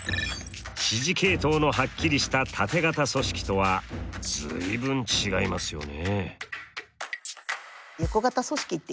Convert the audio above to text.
指示系統のはっきりしたタテ型組織とは随分違いますよね。